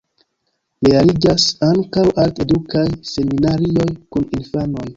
Realiĝas ankaŭ art-edukaj seminarioj kun infanoj.